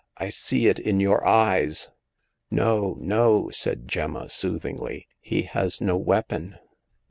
I see it in your eyes !"No, no," said Gemma, soothingly ;" he has no weapon."